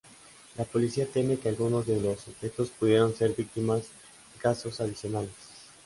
La policía teme que algunos de los sujetos pudieron ser víctimas en casos adicionales.